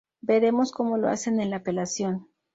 Veremos cómo lo hacen en la apelación.